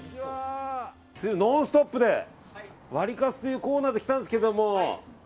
「ノンストップ！」でワリカツというコーナーで来たんですけども。